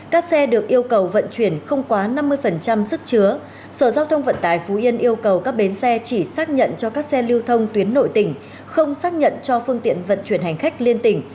các xe được yêu cầu vận chuyển không quá năm mươi sức chứa sở giao thông vận tải phú yên yêu cầu các bến xe chỉ xác nhận cho các xe lưu thông tuyến nội tỉnh không xác nhận cho phương tiện vận chuyển hành khách liên tỉnh